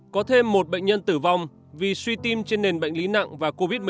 có thêm một bệnh nhân tử vong vì suy tim trên nền bệnh lý nặng và covid một mươi chín